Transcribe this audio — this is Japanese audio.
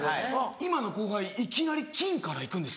今の後輩いきなり金から行くんですよ。